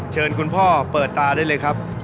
เชิญคุณพ่อเปิดตาได้เลยครับ